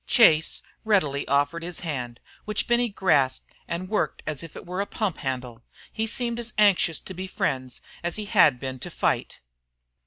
Chase readily offered his hand, which Benny grasped and worked as if it were a pump handle. He seemed as anxious to be friends as he had been to fight.